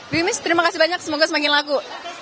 bimis terima kasih banyak semoga semakin laku